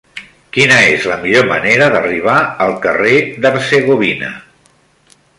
Quina és la millor manera d'arribar al carrer d'Hercegovina?